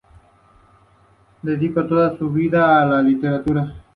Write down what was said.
Dedicó toda su vida a la literatura.